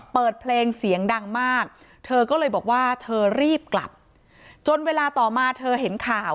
เปิดเพลงเสียงดังมากเธอก็เลยบอกว่าเธอรีบกลับจนเวลาต่อมาเธอเห็นข่าว